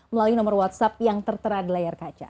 melalui nomor whatsapp yang tertera di layar kaca